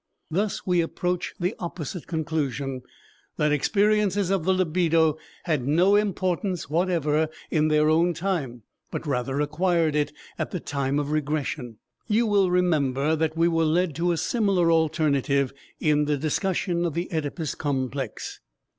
Thus we approach the opposite conclusion, that experiences of the libido had no importance whatever in their own time, but rather acquired it at the time of regression. You will remember that we were led to a similar alternative in the discussion of the Oedipus complex.